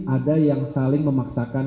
ada yang saling memaksakan